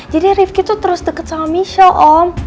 jadi rifki tuh terus deket sama michelle om